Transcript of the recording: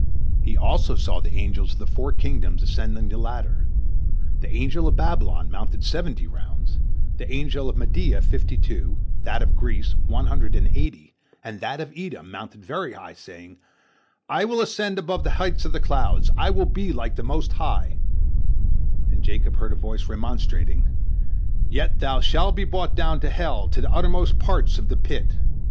He also saw the angels of the four kingdoms ascending the ladder. The angel of Babylon mounted seventy rounds, the angel of Media, fifty two, that of Greece, one hundred and eighty, and that of Edom mounted very high, saying, "I will ascend above the heights of the clouds, I will be like the Most High," and Jacob heard a voice remonstrating, "Yet thou shalt be brought down to hell, to the uttermost parts of the pit."